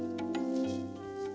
janganlah kau berguna